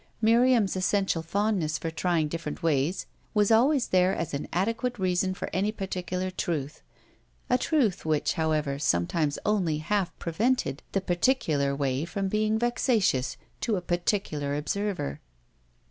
Miriam's essential fondness for trying different ways was always there as an adequate reason for any particular way; a truth which, however, sometimes only half prevented the particular way from being vexatious to a particular observer.